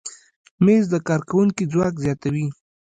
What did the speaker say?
مېز د کارکوونکي ځواک زیاتوي.